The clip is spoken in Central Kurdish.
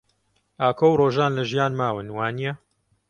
ئاکۆ و ڕۆژان لە ژیان ماون، وانییە؟